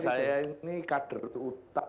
enggak saya ini kader itu utuhnya